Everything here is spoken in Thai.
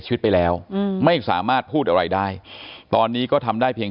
ชีวิตไปแล้วไม่สามารถพูดอะไรได้ตอนนี้ก็ทำได้เพียง